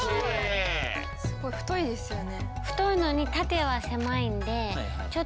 すごい太いですよね。